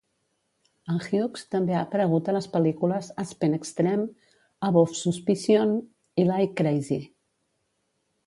En Hughes també ha aparegut a les pel·lícules "Aspen Extreme", "Above Suspicion" i "Like Crazy".